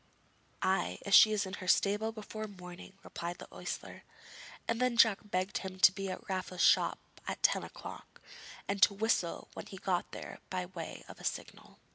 'Ay, if she is in her stable before morning,' replied the ostler; and then Jack begged him to be at Raffle's shop at ten o'clock, and to whistle when he got there by way of a signal.